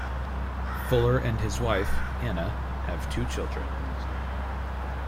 Fuller and his wife, Anna, have two children.